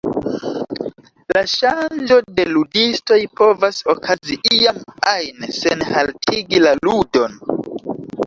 La ŝanĝo de ludistoj povas okazi iam ajn, sen haltigi la ludon.